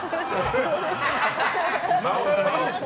今更いいでしょ。